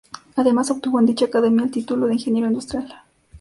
Además obtuvo en dicha Academia el título de Ingeniero Industrial.